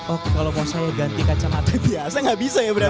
oh kalau mau selalu ganti kacamata biasa nggak bisa ya bram